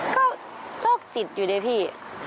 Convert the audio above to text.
ก็โรคจิตอยู่เลยพี่